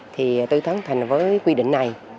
thì tư thắng thành với quy định này